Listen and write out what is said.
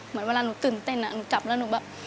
เหมือนเวลาหนูตื่นเต้นหนูจับแล้วหนูแบบ